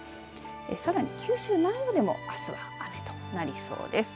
さらに九州南部でもあすは雨となりそうです。